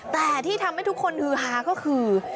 แต่ที่ทำให้ทุกคนฮือฮาก็คือ